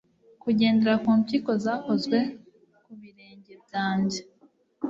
kugendera kumpyiko zakozwe kubirenge byanjye